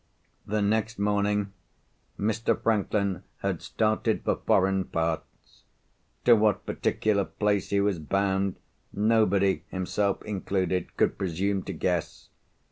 The next morning Mr. Franklin had started for foreign parts. To what particular place he was bound, nobody (himself included) could presume to guess.